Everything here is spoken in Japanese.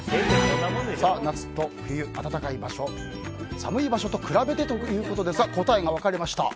夏と冬、暖かい場所、寒い場所と比べてということで答えが分かれました。